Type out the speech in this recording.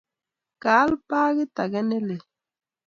Ka al pakit ake ne lel